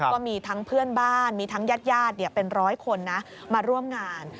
ก็มีทั้งเพื่อนบ้านมีทั้งญาติเป็นร้อยคนนะมาร่วมงาน